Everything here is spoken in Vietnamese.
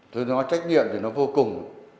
tôi nói trách nhiệm thì nó vô cùng